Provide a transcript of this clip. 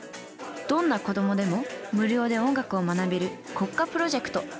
どんな子どもでも無料で音楽を学べる国家プロジェクト。